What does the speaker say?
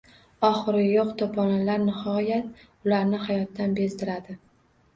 Oxiri yo‘q to‘polonlar nihoyat ularni hayotdan bezdiradi.